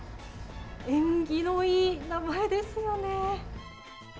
縁起のいい名前ですよね。